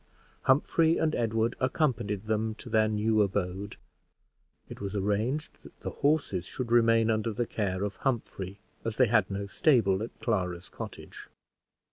Humphrey and Edward accompanied them to their new abode. It was arranged that the horses should remain under the care of Humphrey, as they had no stable at Clara's cottage.